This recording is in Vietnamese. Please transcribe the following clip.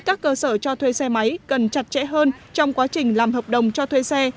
các cơ sở cho thuê xe máy cần chặt chẽ hơn trong quá trình làm hợp đồng cho thuê xe